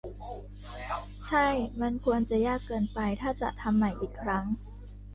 ใช่ มันควรจะยากเกินไปถ้าจะทำใหม่อีกครั้ง